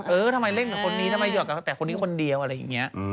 เออทำไมเล่นกับคนนี้ทำไมหอกกับแต่คนนี้คนเดียวอะไรอย่างนี้